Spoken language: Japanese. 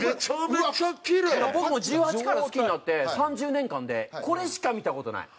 僕も１８から好きになって３０年間でこれしか見た事ない。